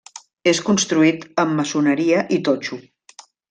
És construït amb maçoneria i totxo.